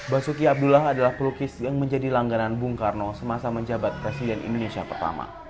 basuki abdullah adalah pelukis yang menjadi langganan bung karno semasa menjabat presiden indonesia pertama